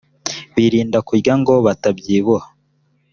birinda kuryango batabyibuha